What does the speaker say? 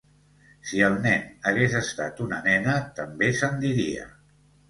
Si el nen hagués estat una nena també se'n diria.